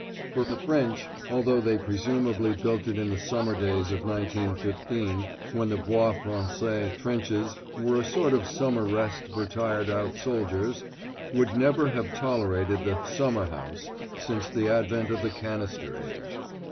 For the French, although they presumably built it in the summer days of 1915 when the Bois Français trenches were a sort of summer rest for tired out soldiers, would never have tolerated the "Summer house" since the advent of the canister age.